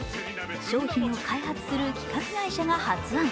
商品を開発する企画会社が発案。